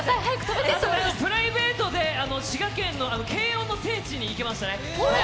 プライベートで滋賀県の「けいおん！」の聖地に行きましたね。